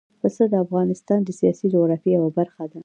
پسه د افغانستان د سیاسي جغرافیه یوه برخه ده.